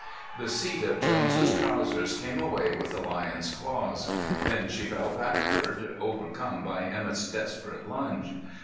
The seat of Jones' trousers came away with the lioness' claws. Then she fell backward, overcome by Emett's desperate lunge.